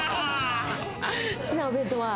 好きなお弁当は？